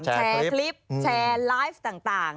แชร์คลิปแชร์ไลฟ์ต่าง